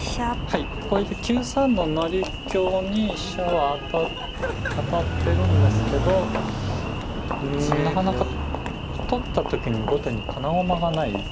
はいこれで９三の成香に飛車は当たってるんですけどうんなかなか取った時に後手に金駒がない。